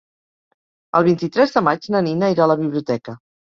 El vint-i-tres de maig na Nina irà a la biblioteca.